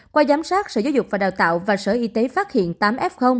qua giám sát sở giáo dục và đào tạo và sở y tế phát hiện tám f